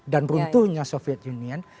dan runtuhnya soviet union